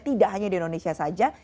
tidak hanya di indonesia saja